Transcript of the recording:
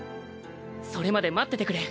それまで待っててくれ。